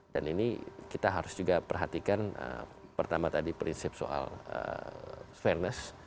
dan ini kita harus juga perhatikan pertama tadi prinsip soal fairness